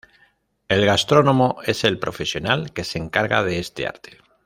El gastrónomo es el profesional que se encarga de este arte.